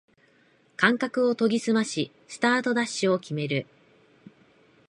感覚を研ぎすましスタートダッシュを決める